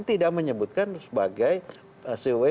tidak menyebutkan sebagai